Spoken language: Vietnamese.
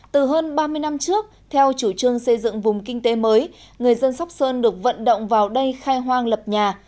từ hơn ba mươi năm trước theo chủ trương xây dựng vùng kinh tế mới người dân sóc sơn được vận động vào đây khai hoang lập nhà